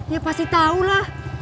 ya pasti tau lah